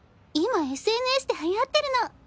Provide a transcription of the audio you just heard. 今ＳＮＳで流行ってるの！